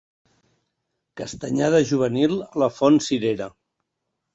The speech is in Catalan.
Castanyada juvenil a la font Cirera.